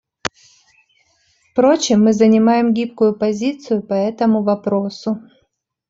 Впрочем, мы занимаем гибкую позицию по этому вопросу.